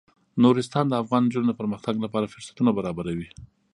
نورستان د افغان نجونو د پرمختګ لپاره ښه فرصتونه برابروي.